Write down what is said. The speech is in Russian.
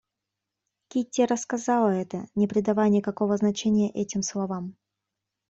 Кити рассказала это, не придавая никакого значения этим словам.